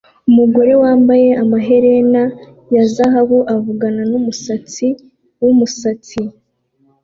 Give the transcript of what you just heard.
Umugore wambaye amaherena ya zahabu avugana numusatsi wumusatsi